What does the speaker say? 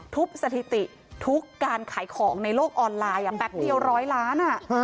สถิติทุกการขายของในโลกออนไลน์แป๊บเดียวร้อยล้าน